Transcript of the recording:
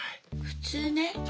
普通ね